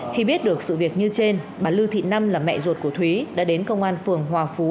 khi biết được sự việc như trên bà lư thị năm là mẹ ruột của thúy đã đến công an phường hòa phú